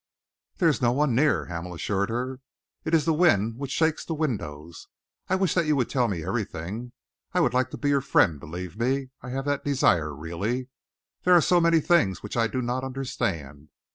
"There is no one near," Hamel assured her. "It is the wind which shakes the windows. I wish that you would tell me everything. I would like to be your friend. Believe me, I have that desire, really. There are so many things which I do not understand.